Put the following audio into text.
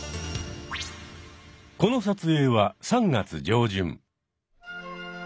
この撮影は３月上旬。